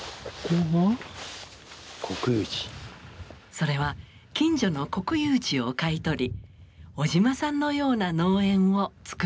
それは近所の国有地を買い取り小島さんのような農園をつくることです。